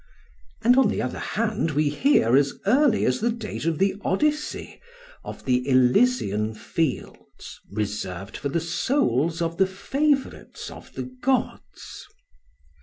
And on the other hand we hear, as early as the date of the Odyssey, of the Elysian fields reserved for the souls of the favourites of the gods.